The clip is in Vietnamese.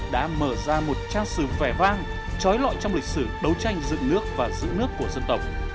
đã mở ra một trang sử vẻ vang trói lọi trong lịch sử đấu tranh dựng nước và giữ nước của dân tộc